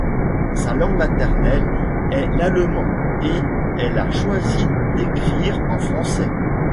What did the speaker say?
Sa langue maternelle est l'allemand et elle a choisi d'écrire en français.